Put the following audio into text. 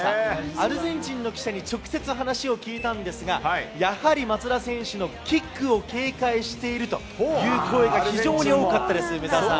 アルゼンチンの記者に直接話を聞いたんですが、やはり松田選手のキックを警戒しているという声が非常に多かったです、梅澤さん。